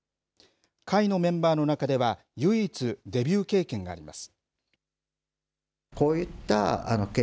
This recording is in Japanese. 会のメンバーの中では、唯一、デビュー経験があります。